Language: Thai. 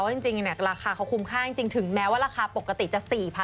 จริงราคาเขาคุ้มค่าจริงถึงแม้ว่าราคาปกติจะ๔๐๐๐